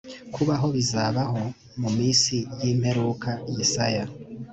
kubaho bizabaho mu minsi y imperuka yesaya